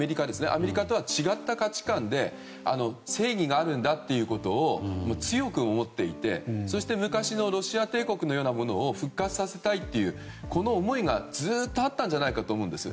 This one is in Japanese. アメリカとは違った価値観で正義があるんだということを強く思っていてそして昔のロシア帝国のようなものを復活させたいというこの思いがずっとあったんじゃないかと思うんです。